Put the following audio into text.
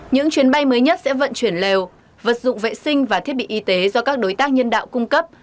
những chuyến bay mới nhất sẽ vận chuyển lèo vật dụng vệ sinh và thiết bị y tế do các đối tác nhân đạo cung cấp